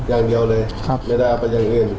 อย่างเดียวเลยไม่ได้เอาไปอย่างอื่น